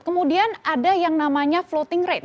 kemudian ada yang namanya floating rate